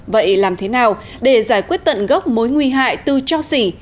vậy làm thế nào để giải quyết tận gốc mối nguy hại từ cho xỉ